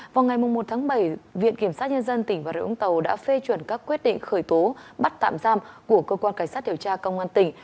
vào ngày một tháng bảy viện kiểm sát nhân dân tỉnh bà rịa úng tàu đã phê chuẩn các quyết định khởi tố bắt tạm giam của cơ quan cảnh sát điều tra công an tỉnh